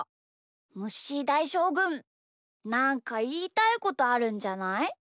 むっしーだいしょうぐんなんかいいたいことあるんじゃない？